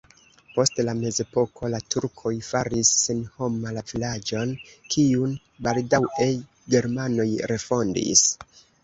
Post la mezepoko la turkoj faris senhoma la vilaĝon, kiun baldaŭe germanoj refondis.